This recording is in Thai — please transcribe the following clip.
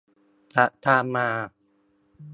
จะตามมา